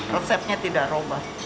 resepnya tidak robah